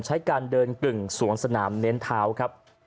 ใช้การเดินกึ่งสวงสนามเน้นเท้าครับ